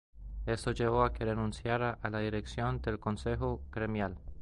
Esto llevó a que renunciara a la dirección del Consejo Gremial.